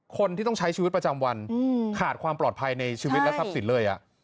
คนที่ต้องใช้ชีวิตประจำวันขาดความปลอดภัยในชีวิตและทรัพย์สินเลย